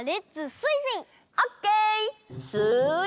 スイスイ！